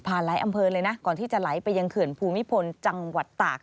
หลายอำเภอเลยนะก่อนที่จะไหลไปยังเขื่อนภูมิพลจังหวัดตาก